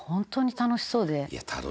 楽しそうでね。